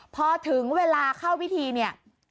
พอถึงเวลาเข้าพิธีเนี่ย